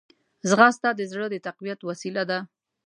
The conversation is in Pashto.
ځغاسته د زړه د تقویت وسیله ده